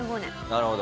なるほど。